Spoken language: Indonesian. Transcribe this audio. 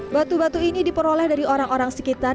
batu batu ini diperoleh dari orang orang sekitar